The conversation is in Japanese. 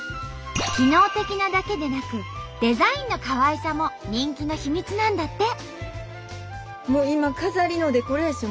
機能的なだけでなくデザインのかわいさも人気の秘密なんだって！